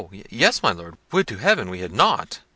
yes, my Lord; would to Heaven we had not!"